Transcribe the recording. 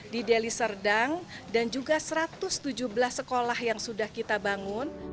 di deli serdang dan juga satu ratus tujuh belas sekolah yang sudah kita bangun